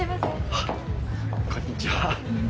あっこんにちは。